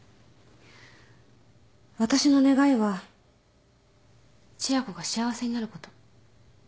私の願いは千夜子が幸せになること